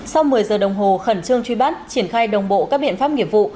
sau một mươi giờ đồng hồ khẩn trương truy bắt triển khai đồng bộ các biện pháp nghiệp vụ